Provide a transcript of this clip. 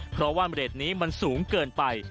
เพราะว่าเรทนี้มันสูงเกินไป